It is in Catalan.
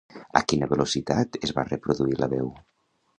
A quina velocitat es va reproduir la veu?